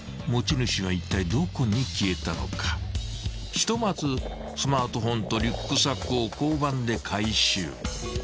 ［ひとまずスマートフォンとリュックサックを交番で回収］